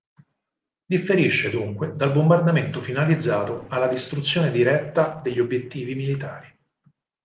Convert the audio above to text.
Differisce, dunque, dal bombardamento finalizzato alla distruzione diretta degli obiettivi militari.